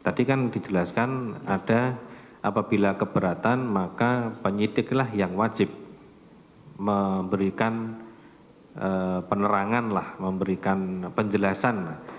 tadi kan dijelaskan ada apabila keberatan maka penyidiklah yang wajib memberikan penerangan lah memberikan penjelasan